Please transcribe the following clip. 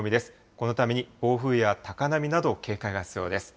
このために暴風や高波など、警戒が必要です。